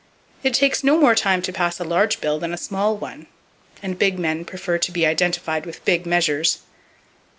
It takes no more time to pass a large bill than a small one; and big men prefer to be identified with big measures.